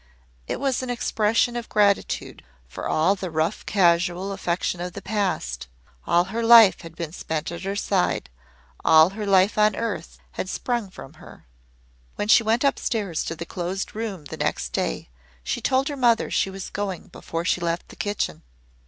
It was an expression of gratitude for all the rough casual affection of the past. All her life had been spent at her side all her life on earth had sprung from her. When she went up stairs to the Closed Room the next day she told her mother she was going before she left the kitchen.